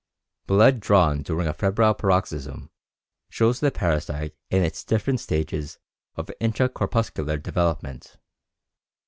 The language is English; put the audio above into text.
Blood drawn during a febrile paroxysm shows the parasite in its different stages of intra corpuscular development.